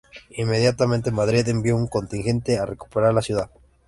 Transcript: Inmediatamente Madrid envió un contingente a recuperar la ciudad.